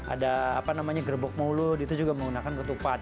ada apa namanya gerbok mulut itu juga menggunakan ketupat